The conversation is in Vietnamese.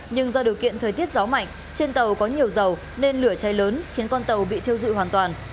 nhưng do điều kiện thời tiết gió mạnh trên tàu có nhiều dầu nên lửa cháy lớn khiến con tàu bị thiêu dụi hoàn toàn